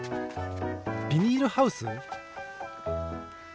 ビニールハウス？